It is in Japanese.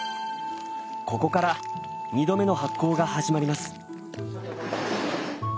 ここから二度目の発酵が始まります。